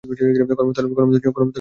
কর্মস্থলে যাওয়ার আগে দেখা করে যাব।